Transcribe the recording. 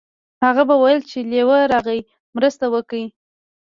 هغه به ویل چې لیوه راغی مرسته وکړئ.